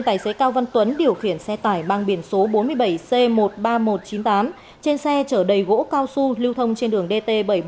tài xế cao văn tuấn điều khiển xe tải mang biển số bốn mươi bảy c một mươi ba nghìn một trăm chín mươi tám trên xe chở đầy gỗ cao su lưu thông trên đường dt bảy trăm bốn mươi bảy